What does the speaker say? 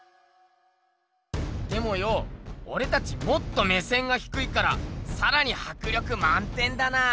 でもよおれたちもっと目線がひくいからさらにはくりょくまん点だなあ！